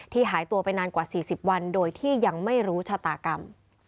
หายตัวไปนานกว่า๔๐วันโดยที่ยังไม่รู้ชะตากรรม